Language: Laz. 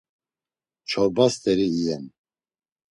Çorba st̆eri iyen.